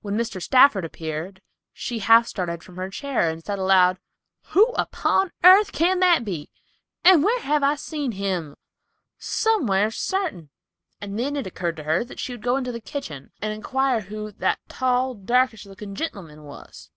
When Mr. Stafford appeared, she half started from her chair and said aloud, "Who upon airth can that be, and whar have I seen him? Somewhar, sartin." It then occurred to her that she would go to the kitchen and inquire who "that tall, darkish looking gentleman was."